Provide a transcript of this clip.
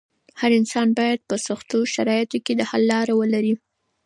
هر انسان بايد په سختو شرايطو کې د حل لاره ولري.